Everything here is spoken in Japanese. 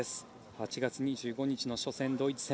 ８月２５日の初戦ドイツ戦。